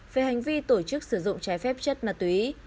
về hành vi tổ chức sử dụng trái phép chất ma túy